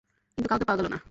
কিন্তু কাউকে পাওয়া গেল না।